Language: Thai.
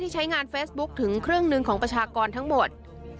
ใช้งานเฟซบุ๊คถึงครึ่งหนึ่งของประชากรทั้งหมด